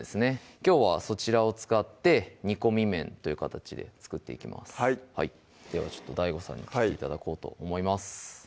きょうはそちらを使って「煮込み麺」という形で作っていきますではＤＡＩＧＯさんに切って頂こうと思います